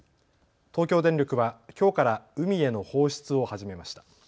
東京電力はきょうから海への放出を始めました。